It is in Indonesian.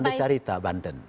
pantai carita banten